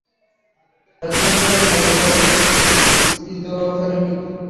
Pathological, psychopathic স্কিজোফেরেনিক!